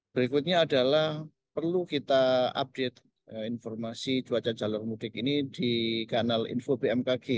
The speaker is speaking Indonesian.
berikutnya adalah perlu kita update informasi cuaca jalur mudik ini di kanal info bmkg